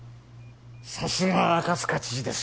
さすが赤塚知事です